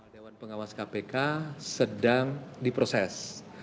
dewan pengawas kpk sedang diproses